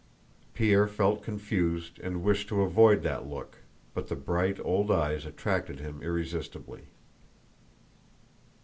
Pierre felt confused and wished to avoid that look, but the bright old eyes attracted him irresistibly.